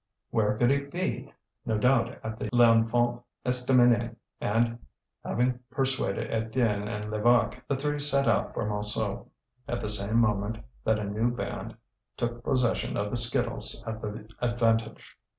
Where could he be? No doubt at the Lenfant Estaminet. And, having persuaded Étienne and Levaque, the three set out for Montsou, at the same moment that a new band took possession of the skittles at the Avantage.